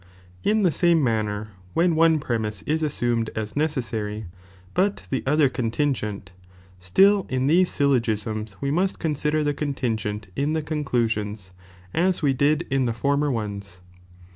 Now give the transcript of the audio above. In tlie same manner, when one premise is assumed as aeceeeaij, but ihe other eontingent ; stiil in these syllogiama we most consider the contingent in the conclusions, uwedidin theformerones.